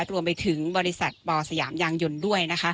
รวมไปถึงบริษัทปสยามยางยนต์ด้วย